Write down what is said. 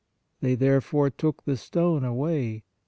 They therefore took the stone away.